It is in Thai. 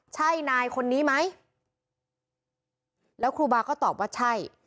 ใช่นายคนนี้ไหมแล้วครูบาก็ตอบว่าใช่